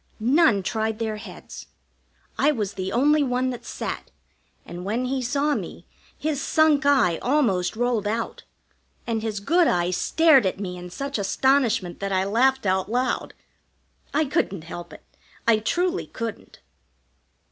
None tried their heads. I was the only one that sat, and when he saw me, his sunk eye almost rolled out, and his good eye stared at me in such astonishment that I laughed out loud. I couldn't help it, I truly couldn't.